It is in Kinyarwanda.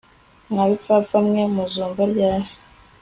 mwa bipfapfa mwe muzumva ryari